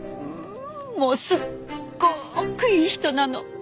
もうすっごくいい人なの。